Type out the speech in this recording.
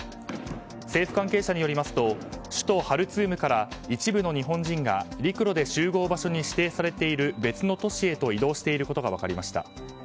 政府関係者によりますと首都ハルツームから一部の日本人が陸路で集合場所に指定されている別の都市へと移動していることが分かりました。